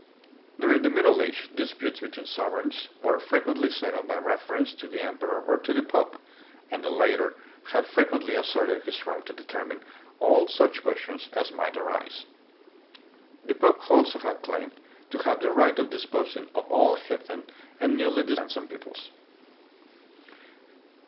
During the middle age, disputes between sovereigns were frequently settled by reference to the em peror or to the pope, and the latter had frequently asserted his right to determine all such questions as might arise. The pope had also claimed to have the right of disposing of all heathen and newly discovered lands and peoples.